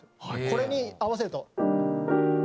これに合わせると。